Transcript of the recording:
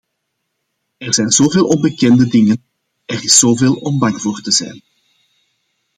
Er zijn zoveel onbekende dingen, er is zoveel om bang voor te zijn.